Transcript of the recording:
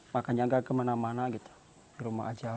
makanya tidak kemana mana di rumah saja